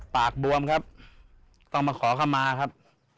บวมครับต้องมาขอเข้ามาครับ